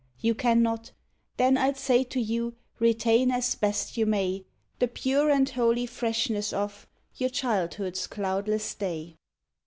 You cannot! then I'd say to you, retain as best you may The pure and holy freshness of your childhood's cloudless day!